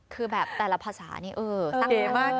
คือแบบแต่ละภาษานี่สร้างความรู้สึก